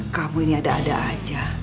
kamu ini ada ada aja